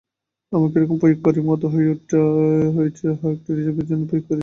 আমাকে একরকম প্রয়োগকারীর মত হয়ে উঠতে হয়েছে, আহ, একটি রিজার্ভের জন্য প্রয়োগকারীর?